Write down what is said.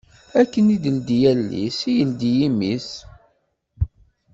Akken d-ileddi allen-is, ad yeldi imi-s